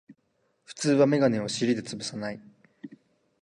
普通はメガネを尻でつぶさない